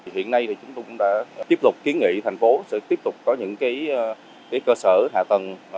hiện nay chúng tôi cũng đã tiếp tục kiến nghị thành phố sẽ tiếp tục có những cơ sở hạ tầng